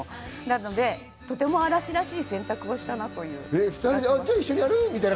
とても嵐らしい選択をしたなという。